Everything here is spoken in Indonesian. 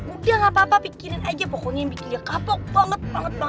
udah gapapa pikirin aja pokoknya bikin dia kapok banget